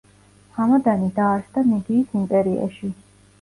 ჰამადანი დაარსდა მიდიის იმპერიაში.